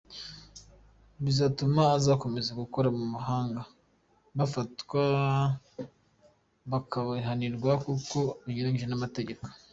Bizatuma abazakomeza gukorera mu muhanda bafatwa bakabihanirwa kuko binyuranije n’amategeko”.